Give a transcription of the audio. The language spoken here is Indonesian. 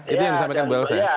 itu yang disampaikan bu elsa